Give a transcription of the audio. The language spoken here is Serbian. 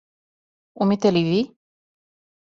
Умете ли ви?